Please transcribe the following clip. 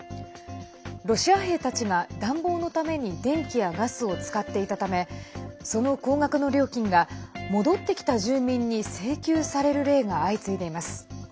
ロシア兵たちが暖房のために電気やガスを使っていたためその高額の料金が戻ってきた住民に請求される例が相次いでいます。